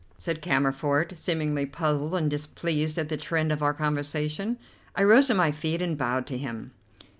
said Cammerford, seemingly puzzled and displeased at the trend of our conversation. I rose to my feet and bowed to him.